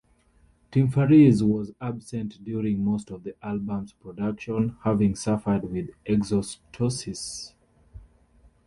Tim Farriss was absent during most of the album's production having suffered with exostosis.